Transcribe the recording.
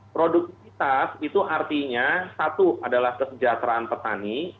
produktivitas itu artinya satu adalah kesejahteraan petani